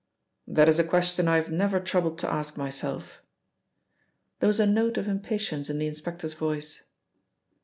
"That is a question I have never troubled to ask myself." There was a note of impatience in the inspector's voice.